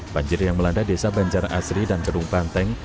banjir yang melanda desa banjar asri dan gedung panteng